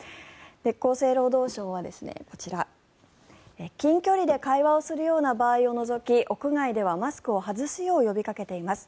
厚生労働省はこちら近距離で会話をするような場合を除き屋外ではマスクを外すよう呼びかけています。